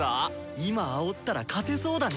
今あおったら勝てそうだね。